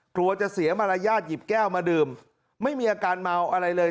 กลัวจะเสียมารยาทหยิบแก้วมาดื่มไม่มีอาการเมาอะไรเลย